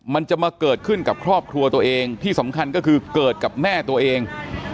มันจะมาเกิดขึ้นกับครอบครัวตัวเองที่สำคัญก็คือเกิดกับแม่ตัวเอง